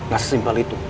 gak sesimpel itu